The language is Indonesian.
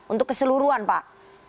untuk keseluruhan pak